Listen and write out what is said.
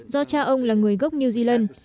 do cha ông là người gốc new zealand